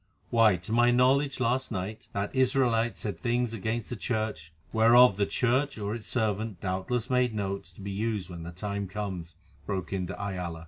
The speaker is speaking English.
Why, to my knowledge last night, that Israelite said things against the Church——" "Whereof the Church, or its servant, doubtless made notes to be used when the time comes," broke in de Ayala.